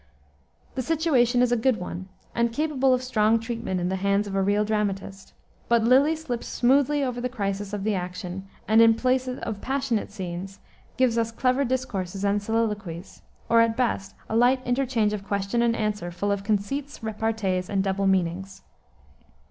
The situation is a good one, and capable of strong treatment in the hands of a real dramatist. But Lyly slips smoothly over the crisis of the action and, in place of passionate scenes, gives us clever discourses and soliloquies, or, at best, a light interchange of question and answer, full of conceits, repartees, and double meanings.